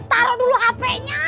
taruh dulu hpnya